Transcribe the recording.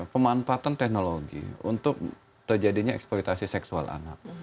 pemanfaatan teknologi untuk terjadinya eksploitasi seksual anak